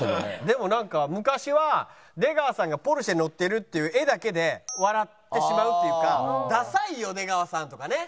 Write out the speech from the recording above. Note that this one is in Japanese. でもなんか昔は出川さんがポルシェ乗ってるっていう画だけで笑ってしまうっていうか「ダサいよ出川さん」とかね。